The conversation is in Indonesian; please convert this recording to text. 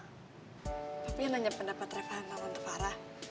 tapi yang nanya pendapat reva tentang tante farah